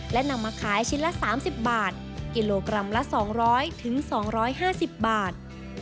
และนำมาขายชิ้นละ๓๐บาทกิโลกรัมละ๒๐๐๒๕๐บาท